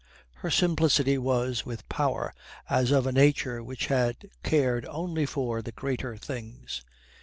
Her simplicity was with power, as of a nature which had cared only for the greater things.